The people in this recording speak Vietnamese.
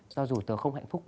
do dù tớ không hạnh phúc